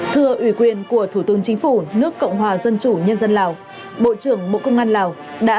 thưa ủy quyền của thủ tướng chính phủ nước cộng hòa dân chủ nhân dân lào bộ trưởng bộ công an lào đã